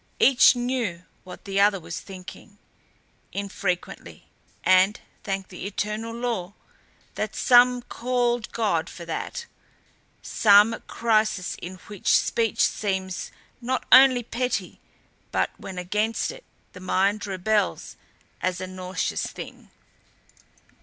Each knew what the other was thinking; infrequently, and thank the eternal law that some call God for that, come crises in which speech seems not only petty but when against it the mind rebels as a nauseous thing.